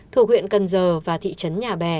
thuộc huyện cần giờ và thị trấn nhà bè